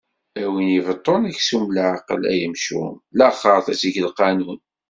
A win ibeṭṭun aksum leɛqel ay amcum, laxeṛt ad teg lqanun!